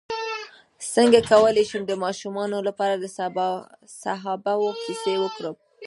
څنګه کولی شم د ماشومانو لپاره د صحابه وو کیسې وکړم